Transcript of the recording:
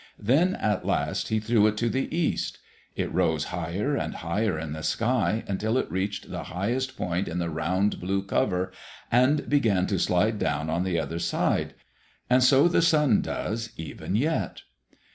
Then at last he threw it to the east. It rose higher and higher in the sky until it reached the highest point in the round blue cover and began to slide down on the other side. And so the sun does even yet.